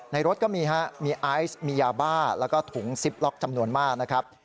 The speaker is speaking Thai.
ในรถก็มีไอซ์มียาบาลแล้วก็ถุงซิปล็อกจำนวนมาก